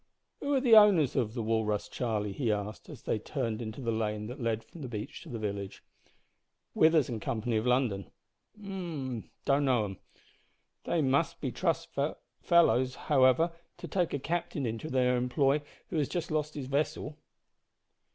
"Who are the owners of the Walrus, Charlie?" he asked, as they turned into the lane that led from the beach to the village. "Withers and Company of London." "H'm don't know them. They must be trustful fellows, however, to take a captain into their employ who has just lost his vessel."